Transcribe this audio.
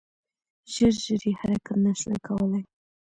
ژر ژر یې حرکت نه شو کولای .